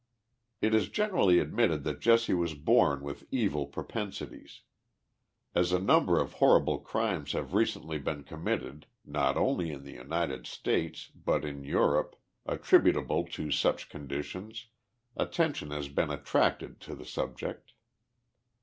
It is generally admitted that Jesse was born with evil propen sities. As a number of horrible crimes have recently been com mitted, not only in the United States, but in Europe, attributable to such conditions, attention lias been attracted to the subject.